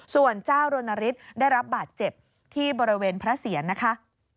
ส่วนเจ้ารณฤทธิ์ได้รับบาดเจ็บที่บริเวณพระเสียรนะคะ